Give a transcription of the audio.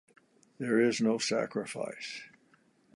There is no sacrifice.